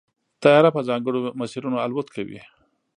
طیاره په ځانګړو مسیرونو الوت کوي.